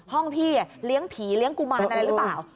พี่เลี้ยงผีเลี้ยงกุมารอะไรหรือเปล่า